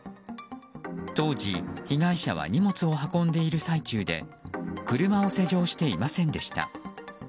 当時、被害者は荷物を運んでいる最中で車を施錠していませんでした。